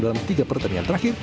dalam tiga pertandingan terakhir